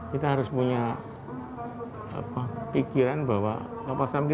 kita harus punya pikiran bahwa kapal selam